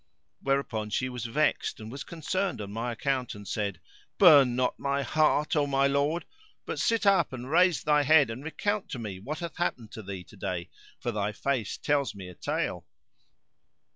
Whereupon she was vexed and was concerned on my account and said, "Burn not my heart, O my lord, but sit up and raise thy head and recount to me what hath happened to thee today, for thy face tells me a tale."